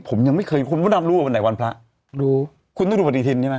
ผมยังไม่เคยคุณพระดำรู้ว่าวันไหนวันพระรู้คุณต้องดูปฏิทินใช่ไหม